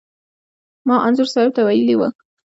ما انځور صاحب ته ویلي و.